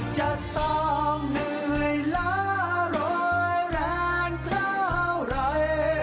จะต้องเหนื่อยล้ารอยแรงเท่าไร